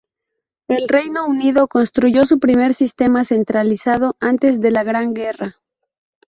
El Reino Unido construyó su primer sistema centralizado antes de la Gran Guerra.